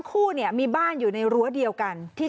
กูรู้แล้วว่าปิดเนี่ยคราวเนี่ยปิดดี